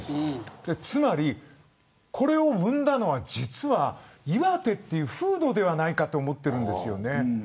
つまり、これを生んだのは実は岩手という風土ではないかと思ってるんです。